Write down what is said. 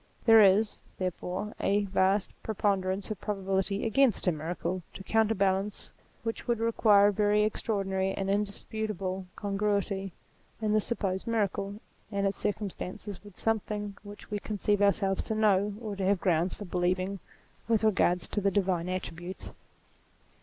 There is, therefore, a vast preponderance of probability against a miracle, to counterbalance which would require a very extra ordinary and indisputable congruity in the supposed miracle and its circumstances with something which we conceive ourselves to know, or to have grounds for believing, with regard to the divine attributes.